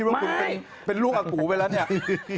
ผมคิดว่าคุณเป็นลูกกะหกูไปได้ล่ะเนี่ย